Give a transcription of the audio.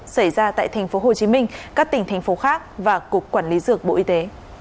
xảy ra tại tp hcm các tỉnh thành phố khác và cục quản lý dược bộ y tế